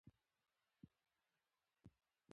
امیر شېرعلي خان رسمي چارې په پښتو کړې وې.